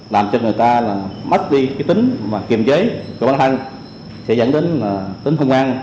làm cho người ta mất đi cái tính kiểm chế của mạng thân sẽ dẫn đến tính hung an